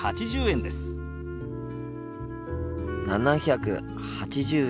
７８０円ですね？